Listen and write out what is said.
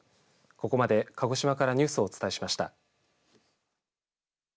ここまで鹿児島からニュースをお伝えしました。